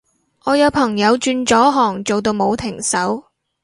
我有朋友轉咗行做到冇停手